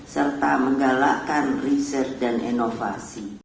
serta menggalakkan riset dan inovasi